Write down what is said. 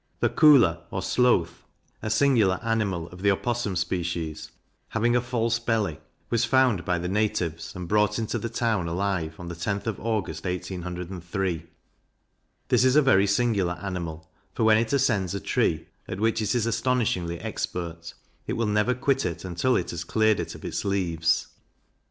The Koolah, or Sloth, a singular animal of the Opossum species, having a false belly, was found by the natives, and brought into the town alive, on the 10th of August, 1803. This is a very singular animal; for when it ascends a tree, at which it is astonishingly expert, it will never quit it until it has cleared it of its leaves.